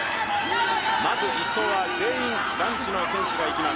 １走は全員男子の選手が行きます。